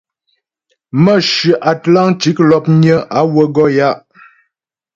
Mə̌hyə Atlantik l̀opnyə á wə́ gɔ ya'.